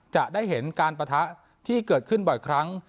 จะได้เห็นการปะทะที่เกิดขึ้นบ่อยครั้ง